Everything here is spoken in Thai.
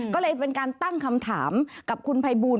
ก็เลยเป็นการตั้งคำถามกับคุณภัยบูล